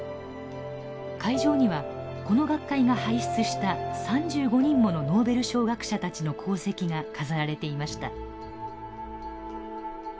会場にはこの学会が輩出した３５人ものノーベル賞学者たちの功績が飾られていました。